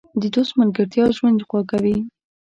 د دوست ملګرتیا ژوند خوږوي.